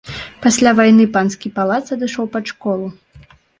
Пасля вайны панскі палац адышоў пад школу.